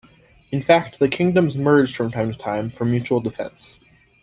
In fact, the kingdoms merged from time to time for mutual defense.